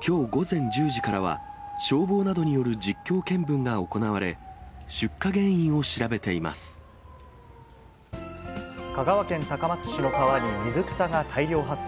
きょう午前１０時からは、消防などによる実況見分が行われ、香川県高松市の川に水草が大量発生。